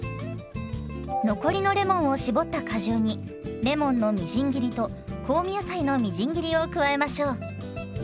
残りのレモンを搾った果汁にレモンのみじん切りと香味野菜のみじん切りを加えましょう。